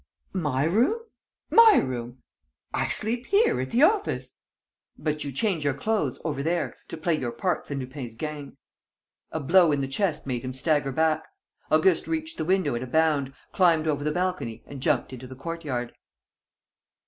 "My room? My room? I sleep here, at the office." "But you change your clothes over there, to play your parts in Lupin's gang." A blow in the chest made him stagger back. Auguste reached the window at a bound, climbed over the balcony and jumped into the courtyard.